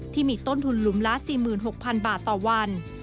ที่มีต้นทุนหลุมละ๔๖๐๐๐บาทต่อวัน